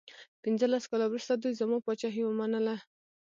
پنځلس کاله وروسته دوی زما پاچهي ومنله.